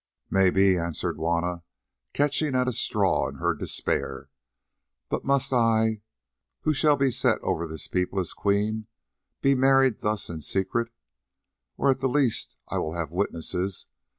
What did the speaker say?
"Maybe," answered Juanna, catching at a straw in her despair, "but must I, who shall be set over this people as queen, be married thus in secret? At the least I will have witnesses.